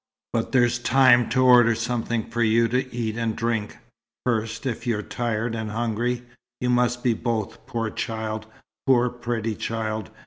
But there's time to order something for you to eat and drink, first, if you're tired and hungry. You must be both, poor child poor, pretty child!